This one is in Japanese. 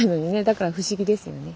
だから不思議ですよね。